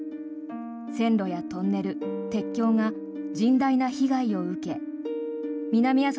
線路やトンネル、鉄橋が甚大な被害を受け南阿蘇